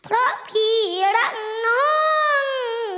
เพราะพี่รักน้อง